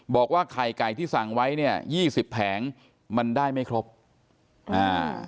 บอกว่าไข่ไก่ที่สั่งไว้เนี่ยยี่สิบแผงมันได้ไม่ครบอ่า